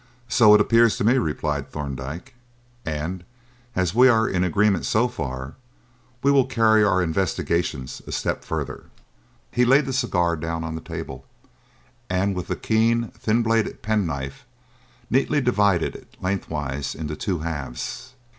"So it appeared to me," replied Thorndyke; "and, as we are in agreement so far, we will carry our investigations a step further." He laid the cigar down on the table, and, with the keen, thin bladed penknife, neatly divided it lengthwise into two halves.